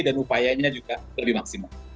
dan upayanya juga lebih maksimal